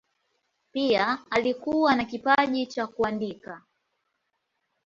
Pia alikuwa na kipaji cha kuandika.